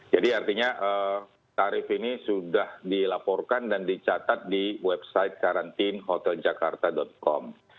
artinya tarif ini sudah dilaporkan dan dicatat di website karantina com